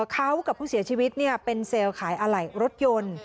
เขากับผู้เสียชีวิตเป็นเซลล์ขายอะไหล่รถยนต์